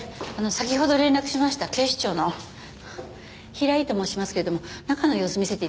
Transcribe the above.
先ほど連絡しました警視庁の平井と申しますけれども中の様子を見せて頂いてもいいですか？